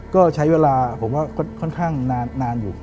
ก็ใช้เวลาผมว่าค่อนข้างนานอยู่